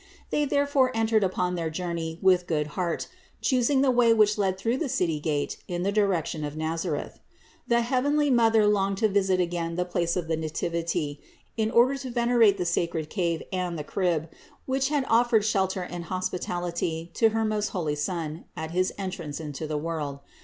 They therefore entered upon their journey with good heart, choosing the way which led through the city gate in the direction of Nazareth. The heavenly Mother longed to visit again the place of the Nativity, in order to venerate the sacred cave and the crib, which had offered shelter and hospitality to her most holy Son at his en trance into the world.